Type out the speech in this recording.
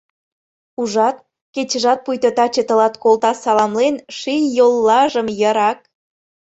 Ужат, кечыжат пуйто таче тылат Колта саламлен ший йоллажым йырак.